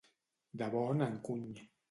De bon encuny.